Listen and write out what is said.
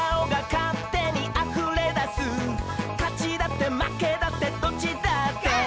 「かちだってまけだってどっちだって」